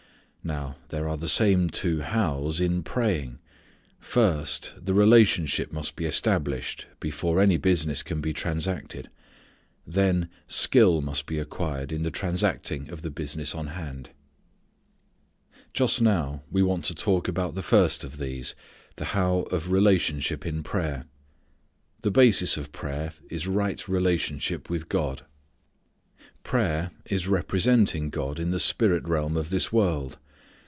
Now there are the same two how's in praying. First the relationship must be established before any business can be transacted. Then skill must be acquired in the transacting of the business on hand. Just now, we want to talk about the first of these, the how of relationship in prayer. The basis of prayer is right relationship with God. Prayer is representing God in the spirit realm of this world.